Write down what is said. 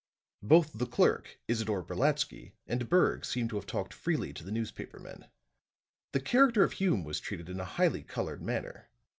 Both the clerk, Isidore Brolatsky, and Berg seemed to have talked freely to the newspapermen. The character of Hume was treated in a highly colored manner.